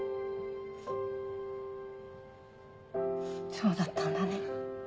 そうだったんだね。